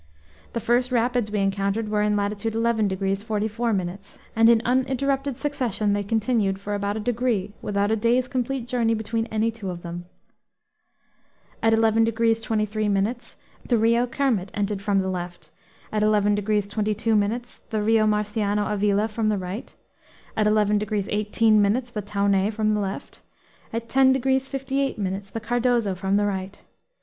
The first rapids we encountered were in latitude 11 degrees 44 minutes, and in uninterrupted succession they continued for about a degree, without a day's complete journey between any two of them. At 11 degrees 23 minutes the Rio Kermit entered from the left, at 11 degrees 22 minutes the Rio Marciano Avila from the right, at 11 degrees 18 minutes the Taunay from the left, at 10 degrees 58 minutes the Cardozo from the right.